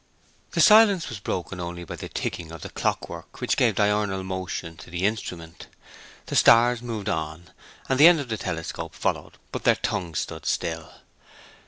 The silence was broken only by the ticking of the clock work which gave diurnal motion to the instrument. The stars moved on, the end of the telescope followed, but their tongues stood still.